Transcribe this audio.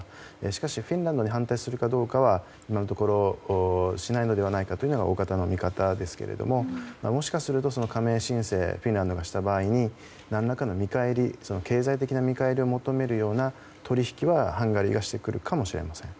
しかしフィンランドに反対するかどうかは今のところ、しないのではないかというのが大方の見方ですけどももしかすると、加盟申請をフィンランドがした場合に何らかの経済的な見返りを求めるような取り引きは、ハンガリーがしてくるかもしれません。